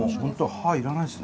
歯は要らないです。